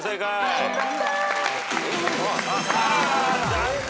残念！